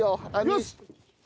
よし！